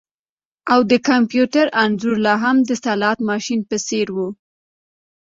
او د کمپیوټر انځور لاهم د سلاټ ماشین په څیر و